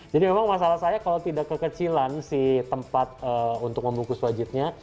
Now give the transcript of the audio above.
jadi memang masalah saya kalau tidak kekecilan si tempat untuk membungkus wajitnya